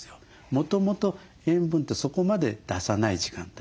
もともと塩分ってそこまで出さない時間帯。